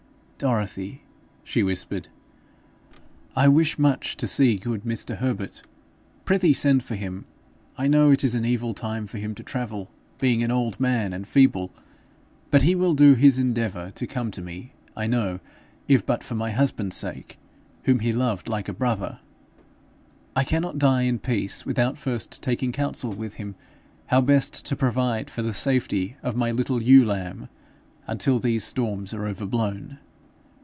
'Dorothy,' she whispered, 'I wish much to see good Mr. Herbert. Prithee send for him. I know it is an evil time for him to travel, being an old man and feeble, but he will do his endeavour to come to me, I know, if but for my husband's sake, whom he loved like a brother. I cannot die in peace without first taking counsel with him how best to provide for the safety of my little ewe lamb until these storms are overblown.